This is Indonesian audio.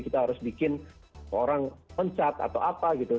kita harus bikin orang loncat atau apa gitu